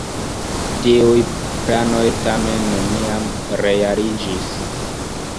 Tiuj planoj tamen neniam realiĝis.